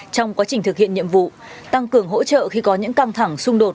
trong quá trình thực hiện nhiệm vụ tăng cường hỗ trợ khi có những căng thẳng xung đột